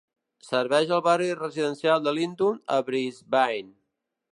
Serveix al barri residencial de Lindum a Brisbane.